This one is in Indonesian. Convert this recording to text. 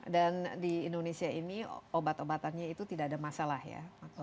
dan di indonesia ini obat obatannya itu tidak ada masalah ya